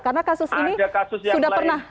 karena kasus ini sudah pernah